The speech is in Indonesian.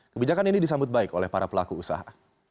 kebijakan ini disambut baik oleh para pelaku usaha